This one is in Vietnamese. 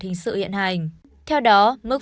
hình sự hiện hành theo đó mức